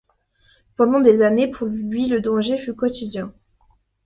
Pendant des années pour lui le danger fut quotidien.